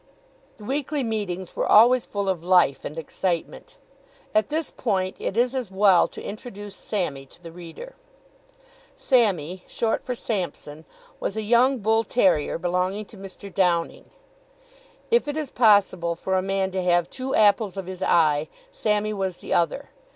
The weekly meetings were always full of life and excitement. At this point it is as well to introduce Sammy to the reader. Sammy, short for Sampson, was a young bull terrier belonging to Mr. Downing. If it is possible for a man to have two apples of his eye, Sammy was the other.